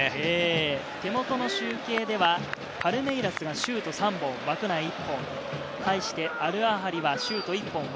手元の集計ではパルメイラスがシュート３本、枠内１本、対してアルアハリはシュート１本。